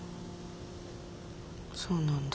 そうなんだ。